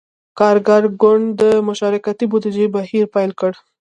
کارګر ګوند د »مشارکتي بودیجې« بهیر پیل کړ.